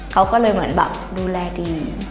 เขาก็เลยเหมือนแบบดูแลดี